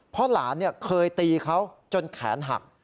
เพราะหลานเคยตีเขาจนแขนหัก